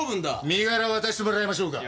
身柄渡してもらいましょうか？